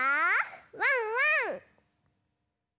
ワンワン！